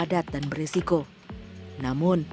yang environer dan pm's